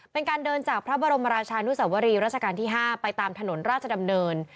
เป็นการเดินจากพระบรมราชานุสวรีรัชกาลที่๕ไปตามถนนราชดำเนิน